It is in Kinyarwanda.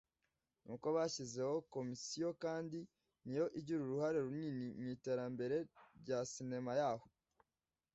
ni uko bashyizeho commission kandi niyo igira uruhare runini mu iterambere rya sinema yaho